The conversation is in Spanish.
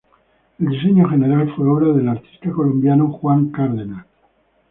El diseño general fue obra del artista colombiano Juan Cárdenas.